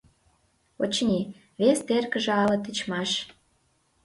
Очыни, вес теркыже але тичмаш...